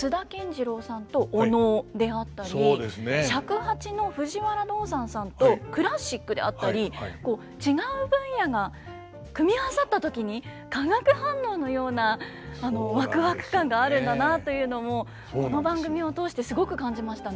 尺八の藤原道山さんとクラシックであったり違う分野が組み合わさった時に化学反応のようなワクワク感があるんだなというのもこの番組を通してすごく感じましたね。